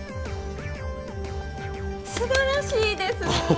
素晴らしいです。